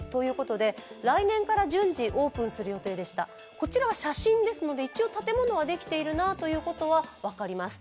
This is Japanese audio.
こちらは写真ですので、一応建物はできているのは分かります。